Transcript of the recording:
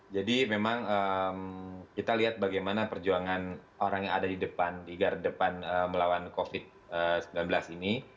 jadi memang kita lihat bagaimana perjuangan orang yang ada di depan di gar depan melawan covid sembilan belas ini